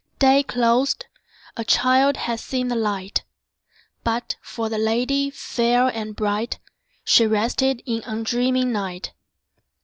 Day closed; a child had seen the light; But, for the lady fair and bright, She rested in undreaming night.